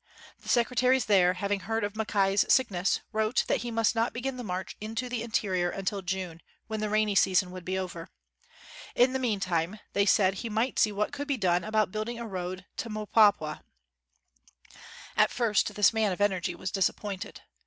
The secretaries there, having heard of Mackay 's sickness, wrote that he must not begin the march into the interior until June, when the rainy season would be over. In the meantime, they said he might see what 49 WHITE MAN OF WORK could be done about building a road to Mpwapwa. At first this man of energy was disappointed.